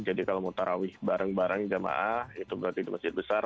jadi kalau mau taraweh bareng bareng jamaah itu berarti di masjid besar